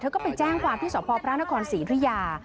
ก็ไปแจ้งความที่สพพระนครศรีธุยา